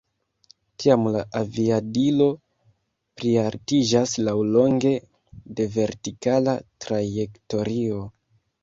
Tiam la aviadilo plialtiĝas laŭlonge de vertikala trajektorio.